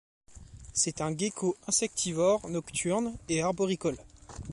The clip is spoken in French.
C'est un gecko insectivore nocturne et arboricole.